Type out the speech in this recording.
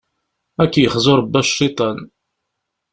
Ad k-yexzu Rebbi a cciṭan!